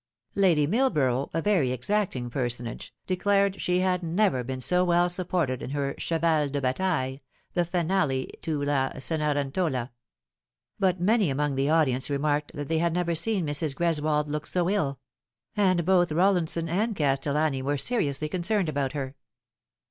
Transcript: Lady Millborough, a very exacting personage, declared she had never been so well supported in her cheval de bataille, the finale to La Cenerentola. But many among the audience remarked that they had never seen Mrs. Greswold look so ill ; and both Rollinson and Castellani were seriously concerned about her.